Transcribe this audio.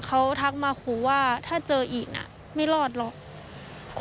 เขาทักมาครูว่าถ้าเจออีกไม่รอดหรอก